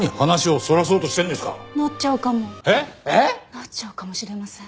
なっちゃうかもしれません。